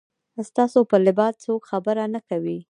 ستاسو پر لباس څوک خبره نه کوي.